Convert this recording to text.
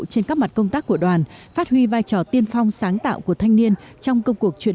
trong công tác của đoàn phát huy vai trò tiên phong sáng tạo của thanh niên trong cộng cuộc chuyển